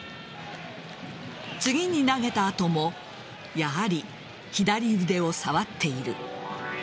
次に投げた後もやはり左腕を触っている。